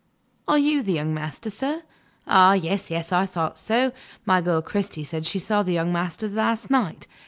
"Are you the young master, sir? Ah, yes, yes; I thought so. My girl Cristy said she saw the young master last night.